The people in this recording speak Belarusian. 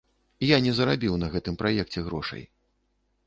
Я не зарабіў на гэтым праекце грошай.